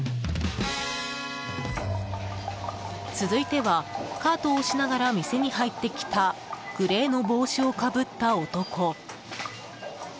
続いては、カートを押しながら店に入ってきたグレーの帽子をかぶった男。